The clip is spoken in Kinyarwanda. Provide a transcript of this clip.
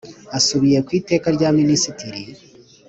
Asubiye ku Iteka rya Minisitirti